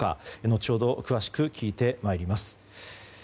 後ほど詳しく聞いてまいります。